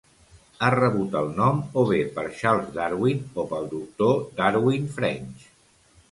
Ha rebut el nom o bé per Charles Darwin o pel doctor Darwin French.